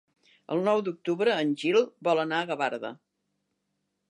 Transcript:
El nou d'octubre en Gil vol anar a Gavarda.